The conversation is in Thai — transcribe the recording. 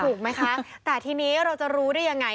ถูกไหมคะแต่ทีนี้เราจะรู้ได้ยังไง